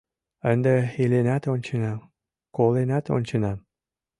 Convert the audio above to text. — Ынде иленат онченам, коленат онченам...